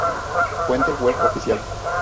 Fuente: Web oficial.